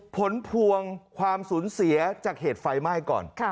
ผลพวงความสูญเสียจากเหตุไฟไหม้ก่อน